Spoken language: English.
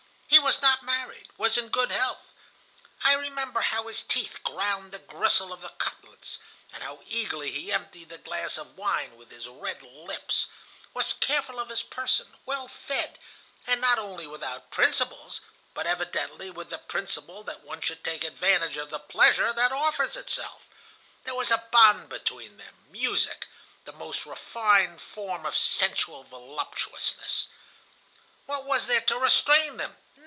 He was not married, was in good health (I remember how his teeth ground the gristle of the cutlets, and how eagerly he emptied the glass of wine with his red lips), was careful of his person, well fed, and not only without principles, but evidently with the principle that one should take advantage of the pleasure that offers itself. There was a bond between them, music,—the most refined form of sensual voluptuousness. What was there to restrain them?